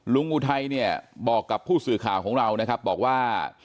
ลุงอุไทยบอกกับผู้สื่อข่าวของเราบอกว่า